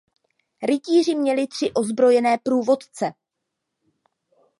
Rytíři měli tři ozbrojené průvodce.